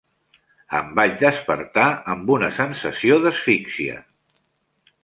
Em vaig despertar amb una sensació d'asfixia.